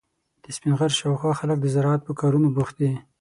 د سپین غر شاوخوا خلک د زراعت په کارونو بوخت دي.